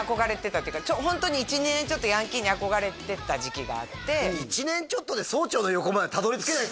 ちょっとホントに１２年ちょっとヤンキーに憧れてた時期があって１年ちょっとで総長の横までたどり着けないですよ